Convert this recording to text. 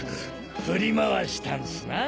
振り回したんスなぁ。